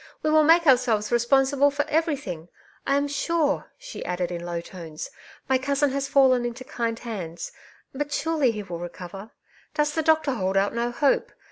We will make ourselves responsible for everything. I am sure,'^ she added in low tones, '^ my cousin has &rllen into kind hands ; but surely he will recover ? Does the doctor hold out no hope